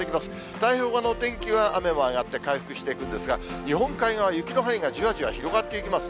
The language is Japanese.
太平洋側のお天気は、雨も上がって、回復していくんですが、日本海側、雪の範囲がじわじわ広がっていきますね。